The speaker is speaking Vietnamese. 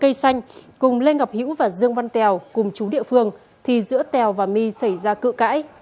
vào ngày một mươi bốn tháng tám my xanh cùng lê ngọc hữu và dương văn tèo cùng chú địa phương thì giữa tèo và my xảy ra cựa cãi